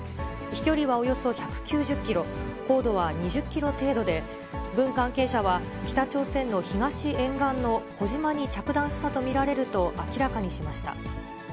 飛距離はおよそ１９０キロ、高度は２０キロ程度で、軍関係者は、北朝鮮の東沿岸の小島に着弾したと見られると明らかにしました。